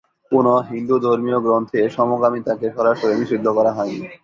কোনো হিন্দু ধর্মীয় গ্রন্থে সমকামিতাকে সরাসরি নিষিদ্ধ করা হয়নি।